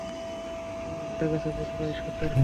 তোমরা ভুলে গেছ যে, কুরাইশ সর্দার কে?